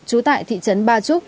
trú tại thị trấn ba trúc